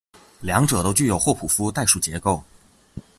两者都具有霍普夫代数结构。